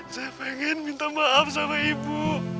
saya pengen minta maaf sama ibu